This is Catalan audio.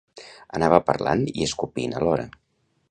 Anava parlant i escopint alhora